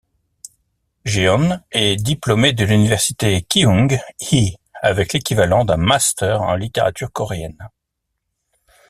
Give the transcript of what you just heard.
Jeon est diplômé de l'université Kyung Hee avec l'équivalent d'un master en littérature coréenne.